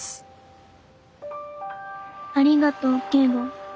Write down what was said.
ありがとう京吾。